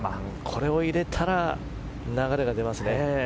これを入れたら流れが出ますね。